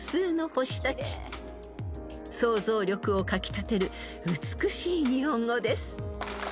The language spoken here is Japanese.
［想像力をかき立てる美しい日本語です］